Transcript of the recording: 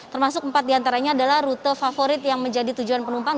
termasuk empat diantaranya adalah rute favorit yang menjadi tujuan penumpang